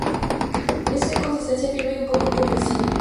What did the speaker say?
Es de consistencia firme y poco compresible.